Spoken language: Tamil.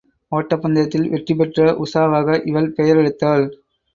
ஒட்டப் பந்தயத்தில் வெற்றி பெற்ற உஷாவாக இவள் பெயர் எடுத்தாள்.